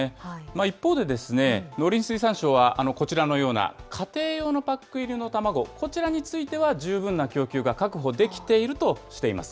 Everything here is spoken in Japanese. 一方で、農林水産省はこちらのような家庭用のパック入りの卵、こちらについては十分な供給が確保できているとしています。